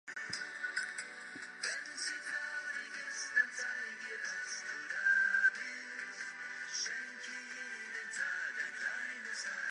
Altshuller studied the way technical systems have been invented, developed and improved over time.